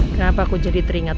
kenapa aku jadi teringat